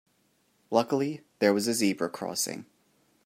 Luckily there was a zebra crossing.